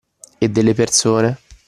E delle persone